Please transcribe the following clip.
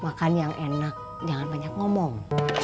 makan yang enak jangan banyak ngomong